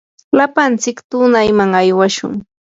lapantsik tunayman aywashun.